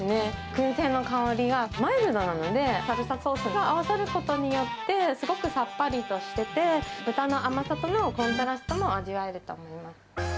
くん製の香りがマイルドなので、サルサソースが合わさることによって、すごくさっぱりとしてて、豚の甘さとのコントラストも味わえると思います。